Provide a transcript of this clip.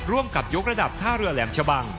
ร่วมกับยกระดับท่าเรือแหลมชะบัง